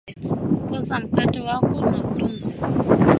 poza mkate wako na utunze